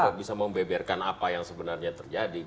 kita bisa membeberkan apa yang sebenarnya terjadi